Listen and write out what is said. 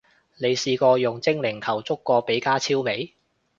你試過用精靈球捉過比加超未？